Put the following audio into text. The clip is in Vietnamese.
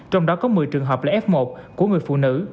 trong đó có một mươi trường hợp là f một của người phụ nữ